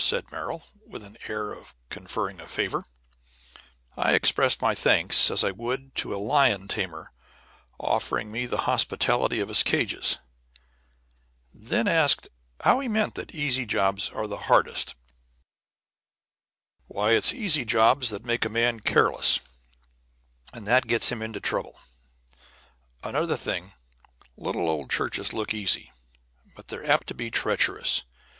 said Merrill, with the air of conferring a favor. I expressed my thanks as I would to a lion tamer offering me the hospitality of his cages, then asked how he meant that easy jobs are the hardest. [Illustration: GILDING A CHURCH CROSS, ABOVE NEW YORK CITY.] "Why, easy jobs make a man careless, and that gets him into trouble. Another thing, little old churches look easy, but they're apt to be treacherous.